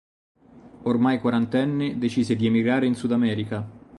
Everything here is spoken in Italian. Ormai quarantenne decise di emigrare in Sudamerica.